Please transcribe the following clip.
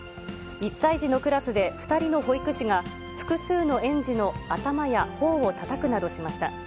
１歳児のクラスで２人の保育士が、複数の園児の頭やほおをたたくなどしました。